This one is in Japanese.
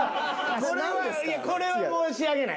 これはこれは申し訳ない。